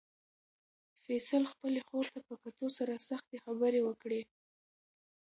فیصل خپلې خور ته په کتو سره سختې خبرې وکړې.